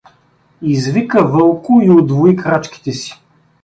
Извика Вълко и удвои крачките си.